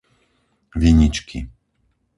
Viničky